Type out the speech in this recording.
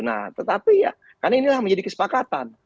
nah tetapi ya karena inilah menjadi kesepakatan